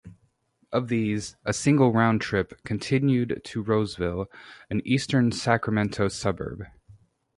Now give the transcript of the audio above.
Of these, a single round-trip continued to Roseville, an eastern Sacramento suburb.